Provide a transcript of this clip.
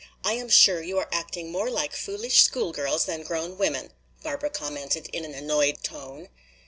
I am sure you are acting more like foolish school girls than grown women," Barbara commented in an annoyed tone.